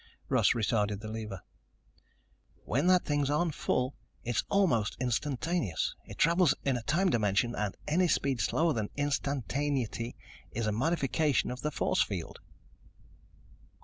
Russ retarded the lever. "When that thing's on full, it's almost instantaneous. It travels in a time dimension and any speed slower than instantaneity is a modification of that force field."